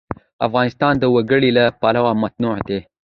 افغانستان د وګړي له پلوه متنوع دی.